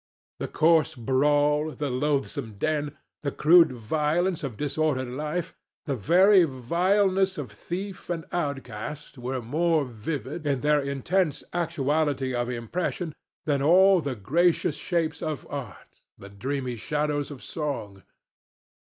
The coarse brawl, the loathsome den, the crude violence of disordered life, the very vileness of thief and outcast, were more vivid, in their intense actuality of impression, than all the gracious shapes of art, the dreamy shadows of song.